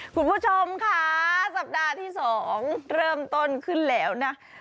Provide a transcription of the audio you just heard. คุณผู้ชมค่ะสัปดาห์ที่๒เริ่มต้นขึ้นแล้วนะ